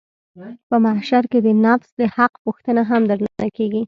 په محشر کښې د نفس د حق پوښتنه هم درنه کېږي.